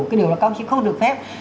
cái điều là công chí không được phép